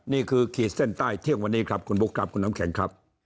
ขีดเส้นใต้เที่ยงวันนี้ครับคุณบุ๊คครับคุณน้ำแข็งครับ